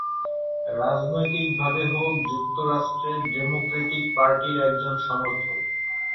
রাজনৈতিকভাবে হক যুক্তরাষ্ট্রের ডেমোক্রেটিক পার্টির একজন সমর্থক।